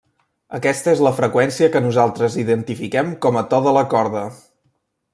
Aquesta és la freqüència que nosaltres identifiquem com a to de la corda.